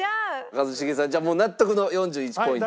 一茂さんじゃあもう納得の４１ポイント。